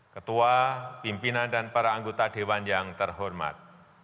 ketua pimpinan dan para anggota dewan yang terhormat